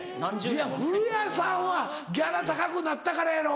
いや古谷さんはギャラ高くなったからやろ。